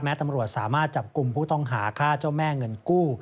ตำรวจสามารถจับกลุ่มผู้ต้องหาฆ่าเจ้าแม่เงินกู้